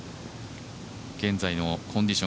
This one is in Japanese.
現在のコンディション